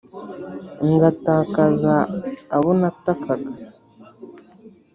ngatakaza abo natakaga